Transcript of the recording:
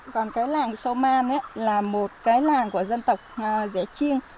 còn cái làng sô man ấy là một cái làng của dân tộc rẻ chiêng